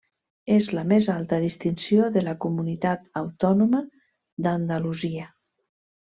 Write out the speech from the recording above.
És la més alta distinció de la Comunitat Autònoma d'Andalusia.